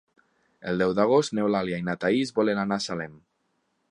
El deu d'agost n'Eulàlia i na Thaís volen anar a Salem.